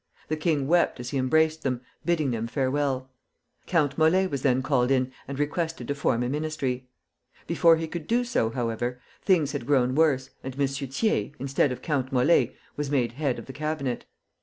The king wept as he embraced them, bidding them farewell. Count Molé was then called in and requested to form a ministry. Before he could do so, however, things had grown worse, and M. Thiers, instead of Count Molé, was made head of the Cabinet.